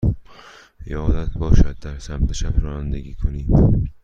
یادت باشد در سمت چپ رانندگی کنی.